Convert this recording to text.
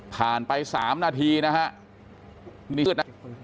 ผ่านไปสามนาธีนะเฮะ